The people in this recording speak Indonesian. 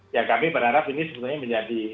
ya kami berharap ini sebetulnya menjadi